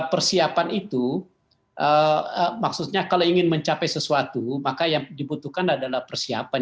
persiapan itu maksudnya kalau ingin mencapai sesuatu maka yang dibutuhkan adalah persiapan